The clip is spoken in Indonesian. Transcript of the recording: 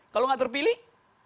kalau enggak terpilih